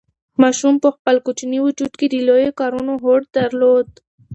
ماشوم په خپل کوچني وجود کې د لویو کارونو هوډ درلود.